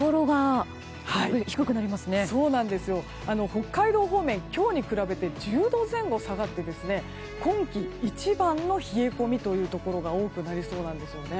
北海道方面、今日に比べて１０度前後、下がって今季一番の冷え込みが多くなりそうなんです。